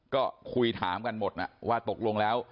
ก็คุยถามกันหมดนะว่าตกลงแล้ว